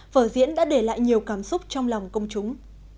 vở diễn đã để lại nhiều cảm xúc trong lòng công chúng